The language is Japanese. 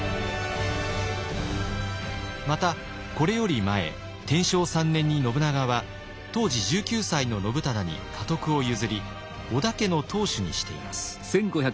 またこれより前天正３年に信長は当時１９歳の信忠に家督を譲り織田家の当主にしています。